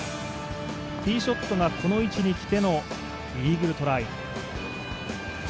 ティーショットがこの位置にきてのイーグルトライ。